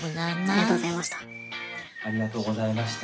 ありがとうございます。